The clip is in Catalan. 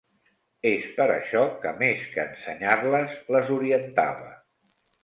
És per això que, més que ensenyar-les, les orientava.